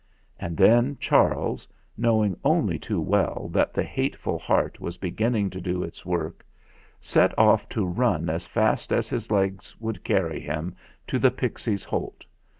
And 312 THE FLINT HEART then Charles knowing only too well that the hateful Heart was beginning to do its work, set off to run as fast as his legs would carry him to the Pixies' Holt.